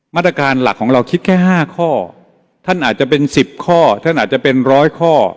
มาตรการหลักของเราคิดแค่๕ข้อท่านอาจจะเป็นสิบข้อท่านอาจจะเป็นร้อยข้อ